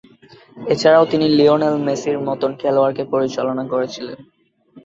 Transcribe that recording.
এছাড়াও তিনি লিওনেল মেসির মতন খেলোয়াড়কে পরিচালনা করেছিলেন।